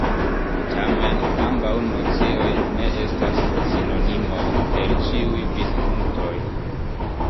Tamen, ambaŭ nocioj ne estas sinonimoj el ĉiuj vidpunktoj.